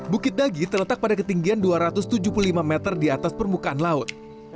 bukit dagi terletak pada ketinggian dua ratus tujuh puluh lima meter di atas permukaan laut